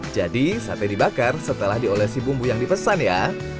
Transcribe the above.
jadi sate dibakar setelah diolesi bumbu yang dipesan ya